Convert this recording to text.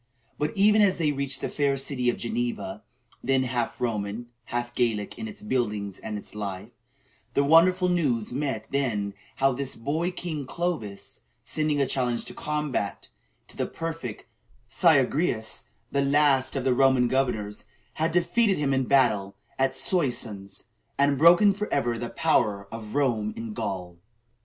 But even as they reached the fair city of Geneva then half Roman, half Gallic, in its buildings and its life the wonderful news met them how this boy king Clovis, sending a challenge to combat to the prefect Syagrius, the last of the Roman governors, had defeated him in a battle at Soissons, and broken forever the power of Rome in Gaul.